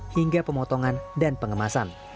hingga pemotongan dan pengemasan